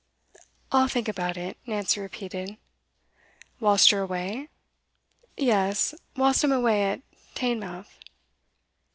'I'll think about it,' Nancy repeated. 'Whilst you're away?' 'Yes, whilst I'm away at Teignmouth.